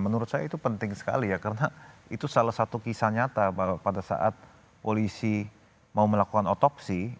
menurut saya itu penting sekali ya karena itu salah satu kisah nyata bahwa pada saat polisi mau melakukan otopsi